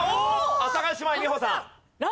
阿佐ヶ谷姉妹美穂さん。